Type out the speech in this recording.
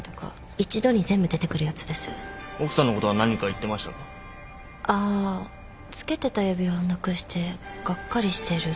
あ着けてた指輪をなくしてがっかりしてるそんなことを。